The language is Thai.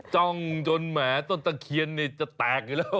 จ้องจนแหมต้นตะเคียนจะแตกอยู่แล้ว